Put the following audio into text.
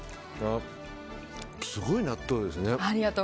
すごい納豆ですね。